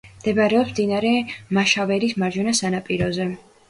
მდებარეობს მდინარე მაშავერის მარჯვენა სანაპიროზე.